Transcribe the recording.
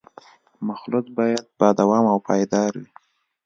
مخلوط باید با دوام او پایدار وي